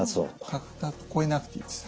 かかと越えなくていいです。